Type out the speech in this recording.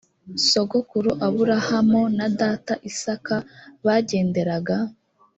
sogokuru aburahamu na data isaka bagenderaga